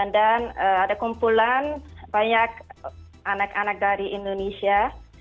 dan ada kumpulan banyak anak anak dari indonesia